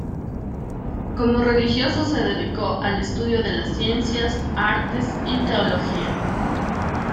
Como religioso se dedicó al estudio de las Ciencias, Artes y Teología.